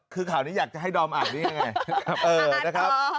คือข่าวนี้อยากจะให้ดอมอ่านได้ยังไงนะครับ